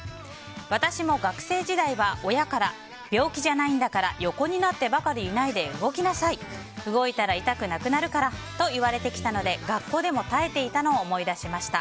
私も学生時代は親から病気じゃないんだから横になってばかりいないで動きなさい動いたら痛くなくなるからと言われてきたので学校でも耐えていたのを思い出しました。